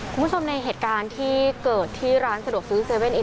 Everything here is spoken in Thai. คุณผู้ชมในเหตุการณ์ที่เกิดที่ร้านสะดวกซื้อ๗๑๑